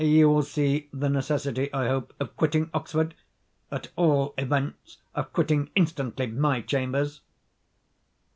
You will see the necessity, I hope, of quitting Oxford—at all events, of quitting instantly my chambers."